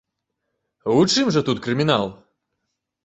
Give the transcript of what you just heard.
У чым жа тут крымінал?